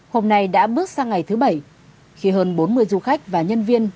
hôm nay đã bước sang ngày thứ bảy khi hơn bốn mươi du khách và nhân viên